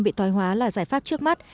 bị tói hóa là giải pháp trước mắt